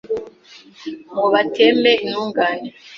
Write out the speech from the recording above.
Ngo bateme intungane?